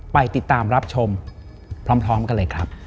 ไปติดตามรับชมพร้อมกันเลยครับ